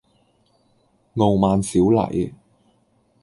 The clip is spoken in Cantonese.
傲慢少禮